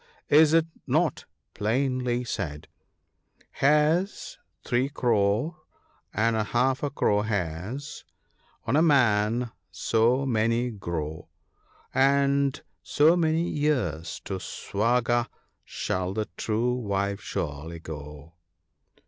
Is it not plainly said —" Hairs three crore, and half a crore hairs, on a man so many grow — And so many years to Swaga shall the true wife surely go